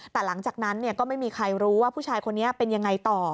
แต่หลังจากนั้นก็ไม่มีใครรู้ว่าผู้ชายคนนี้เป็นยังไงต่อ